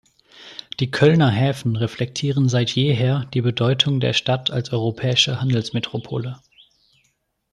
Die Kölner Häfen reflektieren seit jeher die Bedeutung der Stadt als europäische Handelsmetropole.